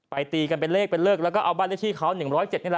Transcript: ตีกันเป็นเลขเป็นเลขแล้วก็เอาบ้านเลขที่เขา๑๐๗นี่แหละ